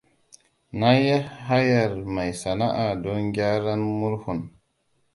Na yi hayar mai sana'a don gyaran murhun.